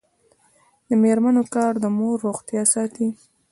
د میرمنو کار د مور روغتیا ساتي.